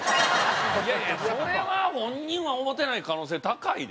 いやいやそれは本人は思ってない可能性高いで。